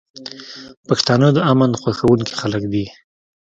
پښتانه د امن خوښونکي خلک دي.